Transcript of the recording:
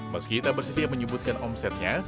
meski tak bersedia menyebutkan omsetnya